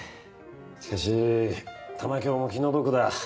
しかし玉響も気の毒だ。